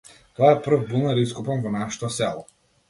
Тоа е прв бунар ископан во нашето село.